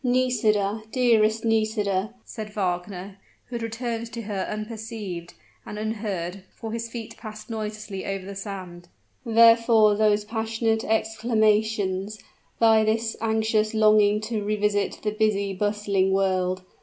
"Nisida dearest Nisida!" said Wagner, who had returned to her unperceived, and unheard for his feet passed noiselessly over the sand; "wherefore those passionate exclamations? why this anxious longing to revisit the busy, bustling world?